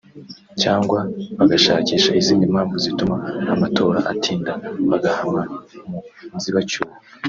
cyangwa bagashakisha izindi mpamvu zituma amatora atinda bagahama mu nzibacyuho